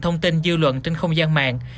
thông tin dư luận trên không gian mạng